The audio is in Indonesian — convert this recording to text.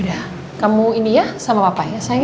udah gak ada matemik